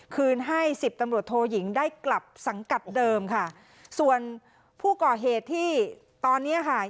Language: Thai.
คืนให้สิบตำรวจโทยิงได้กลับสังกัดเดิมค่ะส่วนผู้ก่อเหตุที่ตอนเนี้ยค่ะ